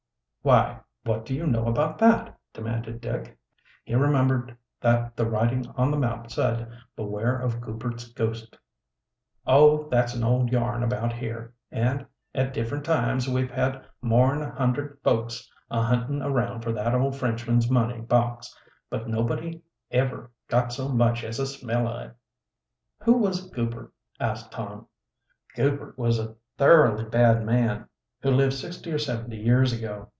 "Why, what do you know about that?" demanded Dick. He remembered that the writing on the map said, "Beware of Goupert's ghost." "Oh, that's an old yarn about here, and at different times we've had more'n a hundred folks a hunting around for that old Frenchman's money box, but nobody ever got so much as a smell o' it." "Who was Goupert?" asked Tom. "Goupert was a thoroughly bad man, who lived sixty or seventy years ago.